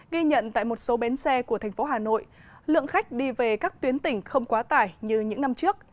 ghi nhận tại một số bến xe của thành phố hà nội lượng khách đi về các tuyến tỉnh không quá tải như những năm trước